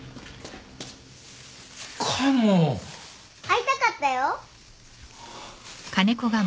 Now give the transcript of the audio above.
会いたかったよ。